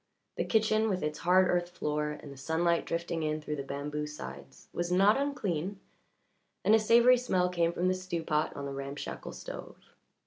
The kitchen, with its hard earth floor and the sunlight drifting in through the bamboo sides, was not unclean, and a savoury smell came from the stew pot on the ramshackle stove.